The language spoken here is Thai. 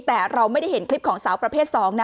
แต่เราไม่ได้เห็นคลิปของสาวประเภท๒นะ